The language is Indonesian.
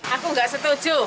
aku nggak setuju